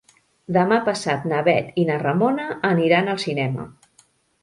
Demà passat na Bet i na Ramona aniran al cinema.